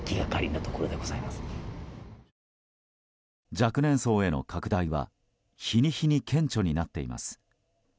若年層への拡大は日に日に顕著になっています。